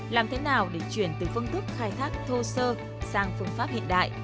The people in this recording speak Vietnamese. làm thế nào để chuyển từ phương thức khai thác thô sơ sang phương pháp hiện đại